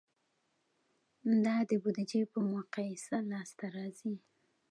دا د بودیجې په مقایسه لاسته راځي.